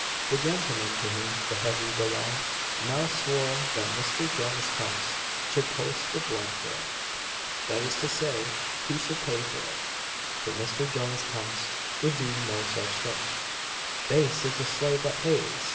The gentleman to whom the heavy belonged, now swore that Mr. Jonas Tunks should post the blunt for it that is to say, he should pay for it. But Mr. Jonas Tunks would do no such thing "Base is the slave that pays!"